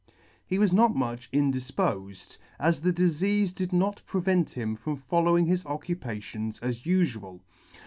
He was not much indif pofed, as the difeafe did not prevent him from following his occupations as ufual.